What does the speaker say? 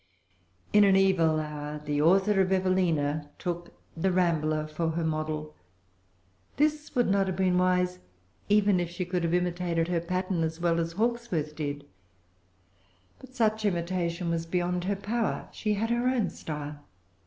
In an evil hour the author of Evelina took The Rambler for her model. This would not have been wise even if she could have imitated her pattern as well as Hawkesworth[Pg 388] did. But such imitation was beyond her power. She had her own style.